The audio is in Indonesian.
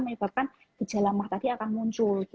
menyebabkan gejala mah tadi akan muncul